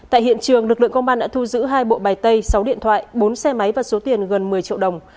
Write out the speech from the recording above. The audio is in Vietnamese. tại hiện trường lực lượng công an đã thu giữ hai bộ bài tay sáu điện thoại bốn xe máy và số tiền gần một mươi triệu đồng